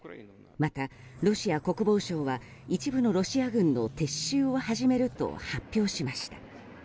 また、ロシア国防相は一部のロシア軍の撤収を始めると発表しました。